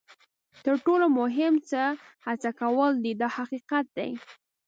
تر ټولو مهم څه هڅه کول دي دا حقیقت دی.